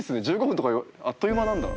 １５分とかあっという間なんだ。